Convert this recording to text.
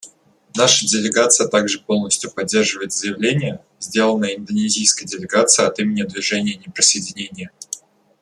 Наша делегация также полностью поддерживает заявление, сделанное индонезийской делегацией от имени Движения неприсоединения.